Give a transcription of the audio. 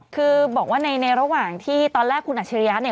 คือบอกว่าในระหว่างที่ตอนแรกคุณอัจฉริยะเนี่ย